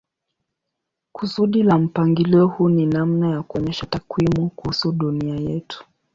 Kusudi la mpangilio huu ni namna ya kuonyesha takwimu kuhusu dunia yetu.